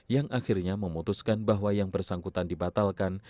yang akhirnya memutuskan bahwa yang bersangkutan dibatalkan